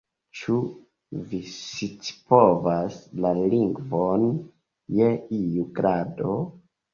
Ĉu vi scipovas la lingvon je iu grado?